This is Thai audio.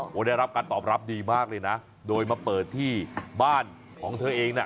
โอ้โหได้รับการตอบรับดีมากเลยนะโดยมาเปิดที่บ้านของเธอเองน่ะ